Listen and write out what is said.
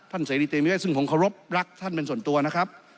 เสรีเตมีเวศซึ่งผมเคารพรักท่านเป็นส่วนตัวนะครับ